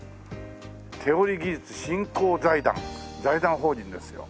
「手織技術振興財団」財団法人ですよ。